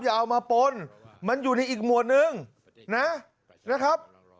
เอามาปนมันอยู่ในอีกหมวดนึงนะครับ